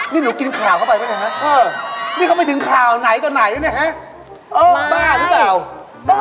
นี่หนูกินข่าวเข้าไปป่ะเนี่ยฮะนี่เขาไปถึงข่าวไหนตอนไหนเนี่ยฮะบ้าหรือเปล่า